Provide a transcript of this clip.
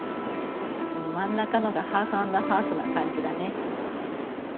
その真ん中のがハーフアンドハーフな感じだね。